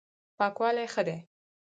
پاکوالی ښه دی.